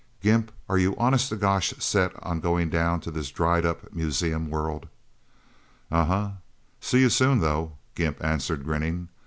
Gimp, are you honest to gosh set on going down to this dried up, museum world?" "Umhmm. See you soon, though," Gimp answered, grinning.